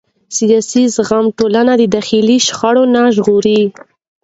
سیاسي زغم ټولنه د داخلي شخړو نه ژغوري